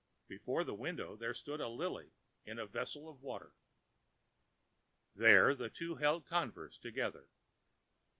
Before the window there stood a lily in a vessel of water. Here the two held converse together.